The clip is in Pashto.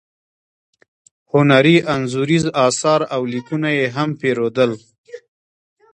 هنري انځوریز اثار او لیکونه یې هم پیرودل.